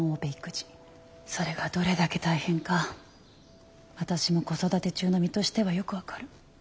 それがどれだけ大変か私も子育て中の身としてはよく分かる。